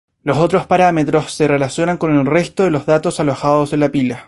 Los otros parámetros se relacionan con el resto de datos alojados en la pila.